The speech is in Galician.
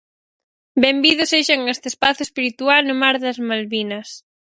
Benvidos sexan a este espazo espiritual no mar das Malvinas.